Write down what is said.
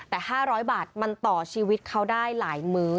แต่๕๐๐บาทมันต่อชีวิตเขาได้หลายมื้อ